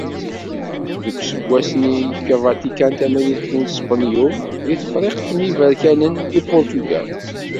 Deg useggas-nni, yefka Vatikan Tamrikt i Spenyul d Tefriqt n yiberkanen i Purtugal.